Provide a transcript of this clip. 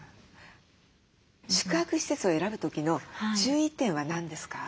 宿泊施設を選ぶ時の注意点は何ですか？